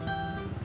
berapa ini beli